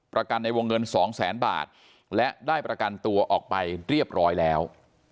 ประกันในวงเงินสองแสนบาทและได้ประกันตัวออกไปเรียบร้อยแล้ว